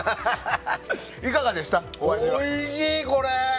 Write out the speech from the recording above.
おいしい、これ！